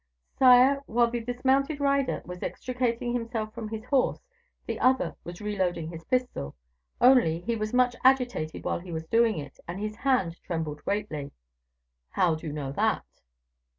"Sire, while the dismounted rider was extricating himself from his horse, the other was reloading his pistol. Only, he was much agitated while he was loading it, and his hand trembled greatly." "How do you know that?"